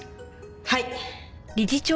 はい。